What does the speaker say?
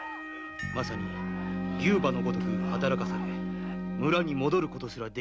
まさに牛馬のごとく働かされ村に戻ることすらできません。